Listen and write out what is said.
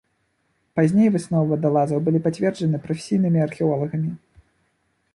Пазней высновы вадалазаў былі пацверджаны прафесійнымі археолагамі.